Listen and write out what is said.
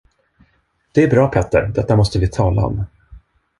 Det är bra, Petter detta måste vi tala om!